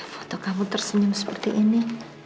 foto kamu tersenyum seperti ini